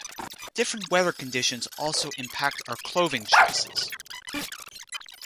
Different weather conditions also impact our clothing choices.